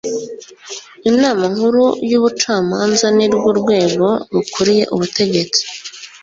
inama nkuru y ubucamanza ni rwo rwego rukuriye ubutegetsi